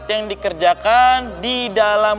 yang dikerjakan di dalam